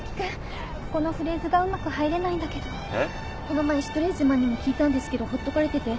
この前シュトレーゼマンにも聞いたんですけどほっとかれてて。